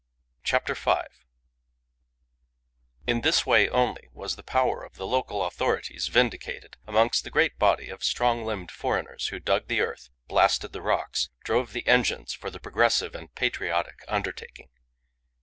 CHAPTER FIVE In this way only was the power of the local authorities vindicated amongst the great body of strong limbed foreigners who dug the earth, blasted the rocks, drove the engines for the "progressive and patriotic undertaking."